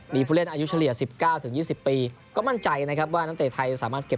มีผู้เล่นอายุเฉลี่ยสิบเก้าถึงยุคสิบปีก็มั่นใจนะครับว่าตั้งแต่ไทยสามารถเก็บ